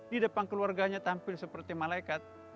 di depan keluarganya tampil seperti malaikat